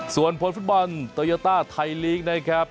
ส่วนผลฟุตบอลโตโยต้าไทยลีกนะครับ